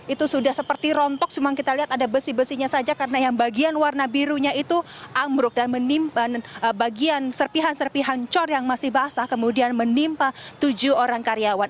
itu sudah seperti rontok cuma kita lihat ada besi besinya saja karena yang bagian warna birunya itu ambruk dan menimpan bagian serpihan serpihan cor yang masih basah kemudian menimpa tujuh orang karyawan